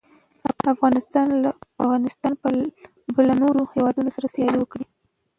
افغانستان به له نورو هېوادونو سره سیالي وکړي.